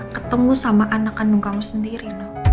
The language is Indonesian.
ketemu sama anak kandung kamu sendiri